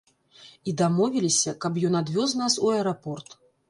І дамовіліся, каб ён адвёз нас у аэрапорт.